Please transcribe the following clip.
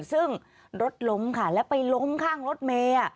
ซึ่งรถล้มค่ะแล้วไปล้มข้างรถเมย์